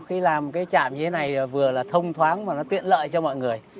khi làm cái trạm như thế này vừa là thông thoáng và nó tiện lợi cho mọi người